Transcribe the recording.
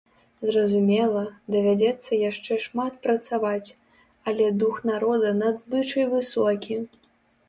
Зразумела, давядзецца яшчэ шмат працаваць, але дух народа надзвычай высокі.